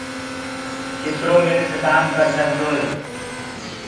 ڪِترو مِنک ڪآم ڪرسدوئي